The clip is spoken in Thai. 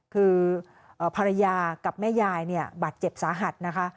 คือภรรยากับแม่ยายเนี่ยบาดเจ็บสาหัสนะคะ